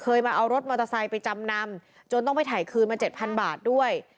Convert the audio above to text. มาเอารถมอเตอร์ไซค์ไปจำนำจนต้องไปถ่ายคืนมาเจ็ดพันบาทด้วย